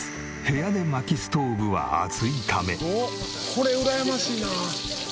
これうらやましいな！